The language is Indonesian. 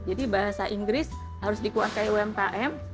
jadi bahasa inggris harus dikuasai umkm